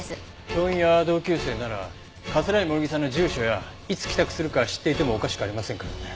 教員や同級生なら桂井萌衣さんの住所やいつ帰宅するか知っていてもおかしくありませんからね。